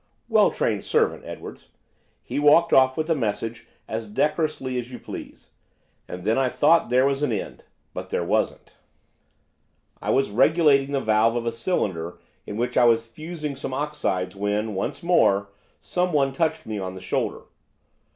Well trained servant, Edwards, he walked off with the message as decorously as you please. And then I thought there was an end, but there wasn't. I was regulating the valve of a cylinder in which I was fusing some oxides when, once more, someone touched me on the shoulder.